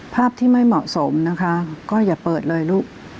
ภาพที่ไม่เหมาะสมนะคะก็อย่าเปิดเลยลูก